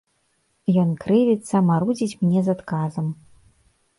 Ён крывіцца, марудзіць мне з адказам.